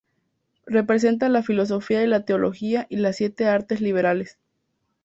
Representan la Filosofía y la Teología y las siete artes liberales.